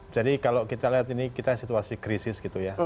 jadi kalau kita lihat ini kita situasi krisis gitu ya